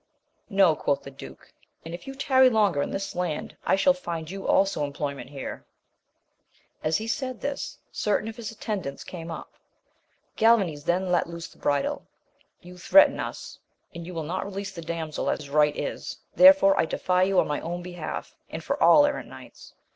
No, quoth the duke, and if you tarry longer in this land I shall find you also employ ment here I As he said this, certain of his attendants came up. Gal vanes then let loose the bridle ;— You threaten us, and you will not release the damsel as right is, therefore I defy you on my own behalf, and for all errant knights